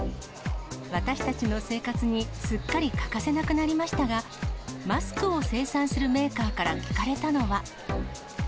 私たちの生活にすっかり欠かせなくなりましたが、マスクを生産するメーカーから聞かれたのは。